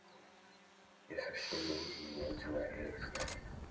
Я со всеми ими имел дела, я их знаю.